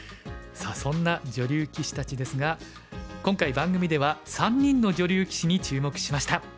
さあそんな女流棋士たちですが今回番組では３人の女流棋士に注目しました。